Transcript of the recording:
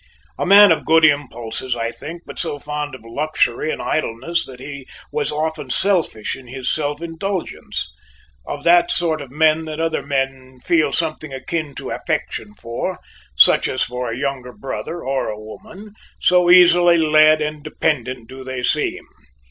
A man of good impulses, I think, but so fond of luxury and idleness that he was often selfish in his self indulgence; of that sort of men that other men feel something akin to affection for, such as for a younger brother or a woman, so easily led and dependent do they seem.